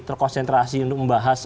terkonsentrasi untuk membahas